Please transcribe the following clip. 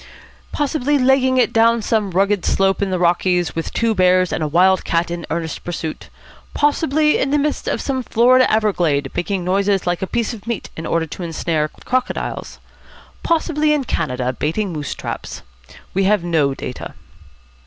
Possibly legging it down some rugged slope in the Rockies, with two bears and a wild cat in earnest pursuit. Possibly in the midst of some Florida everglade, making a noise like a piece of meat in order to snare crocodiles. Possibly in Canada, baiting moose traps. We have no data."